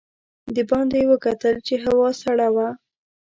د باندې یې وکتل چې هوا سړه وه.